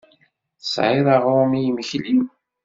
Tesɛiḍ aɣrum i yimekli?